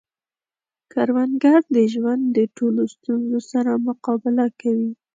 کروندګر د ژوند د ټولو ستونزو سره مقابله کوي